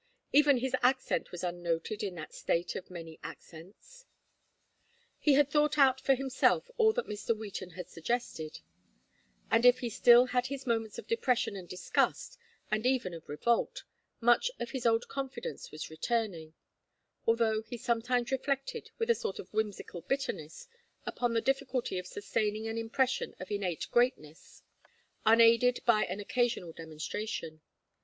Even his accent was unnoted in that State of many accents. He had thought out for himself all that Mr. Wheaton had suggested, and if he still had his moments of depression and disgust, and even of revolt, much of his old confidence was returning; although he sometimes reflected, with a sort of whimsical bitterness, upon the difficulty of sustaining an impression of innate greatness unaided by an occasional demonstration.